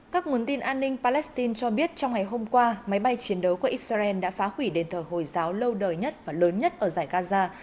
các nguồn tin an ninh palestine cho biết trong ngày hôm qua máy bay chiến đấu của israel đã phá hủy đền thờ hồi giáo lâu đời nhất và lớn nhất ở giải gaza